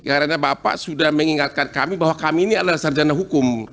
karena bapak sudah mengingatkan kami bahwa kami ini adalah sarjana hukum